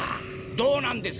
どうなんです？